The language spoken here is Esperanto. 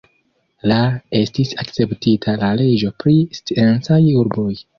La estis akceptita la leĝo pri sciencaj urboj.